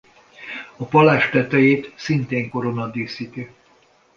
A palást tetejét szintén korona díszíti.